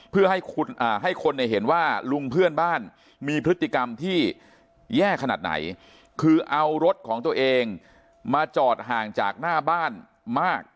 เพื่อให้คนเห็นว่าลุงเพื่อนบ้านมีพฤติกรรมที่แย่ขนาดไหนคือเอารถของตัวเองมาจอดห่างจากหน้าบ้านมาก